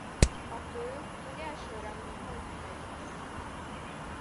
A fő, hogy elsőrangú konyhájuk van.